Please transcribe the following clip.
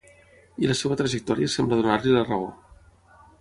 I la seua trajectòria sembla donar-li la raó.